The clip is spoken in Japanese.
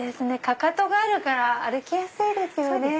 かかとがあるから歩きやすいですよね。